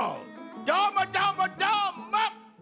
どーもどーもどーもっ！